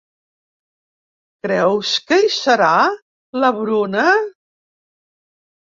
¿Creus que hi serà, la Bruna?